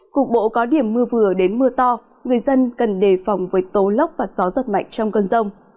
cục bộ có điểm mưa vừa đến mưa to người dân cần đề phòng với tố lốc và gió giật mạnh trong cơn rông